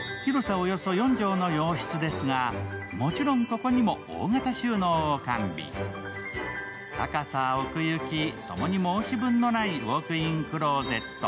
およそ４畳の洋室ですが、もちろん、ここにも大型収納を完備高さ、奥行きともに申し分のないウオークインクローゼット。